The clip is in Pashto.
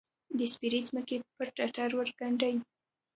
د سپیرې مځکې، پر ټټر ورګنډې